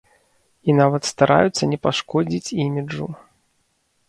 І нават стараюцца не пашкодзіць іміджу.